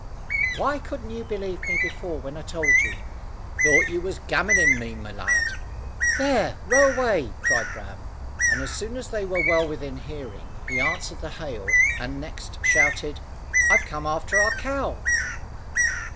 "Why couldn't you believe me before, when I told you?" "Thought you was gammoning me, my lad!" "There, row away!" cried Ram; and as soon as they were well within hearing he answered the hail, and next shouted "I've come after our cow."